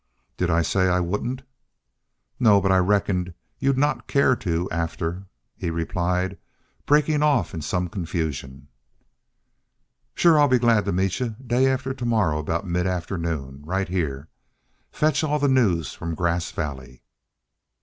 "Did I say I wouldn't?" "No. But I reckoned you'd not care to after " he replied, breaking off in some confusion. "Shore I'll be glad to meet y'u. Day after to morrow about mid afternoon. Right heah. Fetch all the news from Grass Valley."